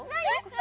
何？